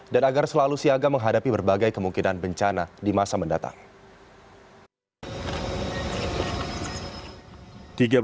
dan agar selalu siaga menghadapi berbagai kemungkinan bencana di masa mendatang